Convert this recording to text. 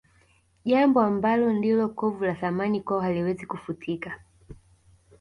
Jambo ambalo ndilo kovu la Thamani kwao haliwezi kufutika